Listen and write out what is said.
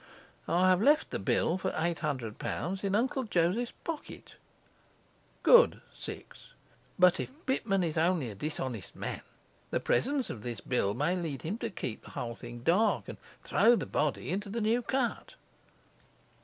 I have left the bill for eight hundred pounds in Uncle Joseph's pocket. 6. But if Pitman is only a dishonest man, the presence of this bill may lead him to keep the whole thing dark and throw the body into the New Cut.